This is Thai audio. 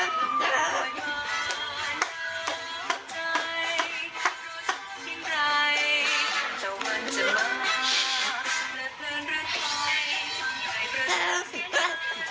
ก็อย่าให้มันเจ็บอย่ะ